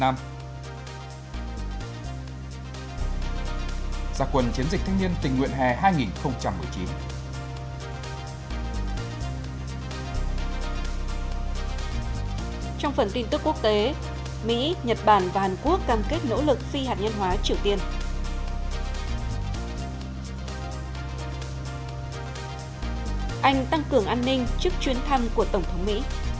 anh tăng cường an ninh trước chuyến thăm của tổng thống mỹ